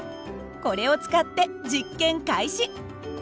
これを使って実験開始。